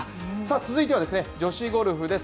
続いては女子ゴルフです。